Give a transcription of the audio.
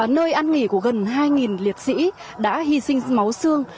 nơi ăn nghỉ của gần hai liệt sĩ đã hy sinh máu xương